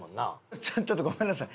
ちょっとごめんなさい。